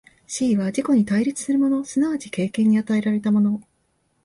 思惟は自己に対立するもの即ち経験に与えられたもの、